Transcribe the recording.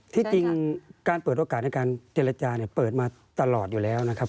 ที่จริงการเปิดโอกาสในการเจรจาเนี่ยเปิดมาตลอดอยู่แล้วนะครับ